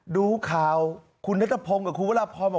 ดูข่าวคุณรัฐพรมกับคุณวัลพรม